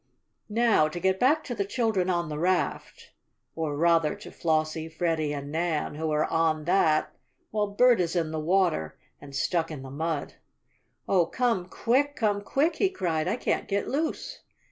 Now to get back to the children on the raft, or rather, to Flossie, Freddie and Nan, who are on that, while Bert is in the water, and stuck in the mud. "Oh, come quick! Come quick!" he cried. "I can't get loose!"